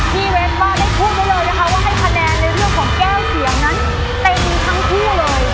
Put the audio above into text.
เว้นว่าได้พูดไว้เลยนะคะว่าให้คะแนนในเรื่องของแก้วเสียงนั้นได้ดีทั้งคู่เลย